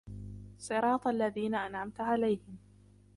صراط الذين أنعمت عليهم